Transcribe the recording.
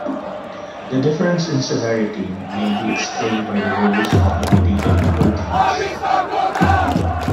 The difference in severity may be explained by the roles of the mutated proteins.